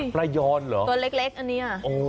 ปลายอนเหรอตัวเล็กอันนี้